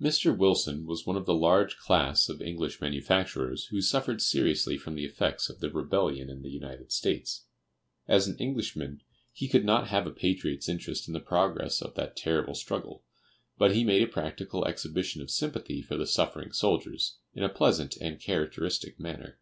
Mr. Wilson was one of the large class of English manufacturers who suffered seriously from the effects of the rebellion in the United States. As an Englishman he could not have a patriot's interest in the progress of that terrible struggle; but he made a practical exhibition of sympathy for the suffering soldiers, in a pleasant and characteristic manner.